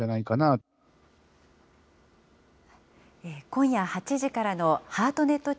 今夜８時からのハートネット